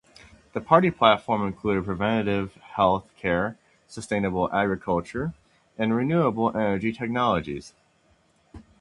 The party platform included preventive health care, sustainable agriculture and renewable energy technologies.